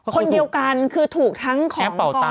คนเดียวกันคือถูกทั้งแอ๊ปเป่าตัง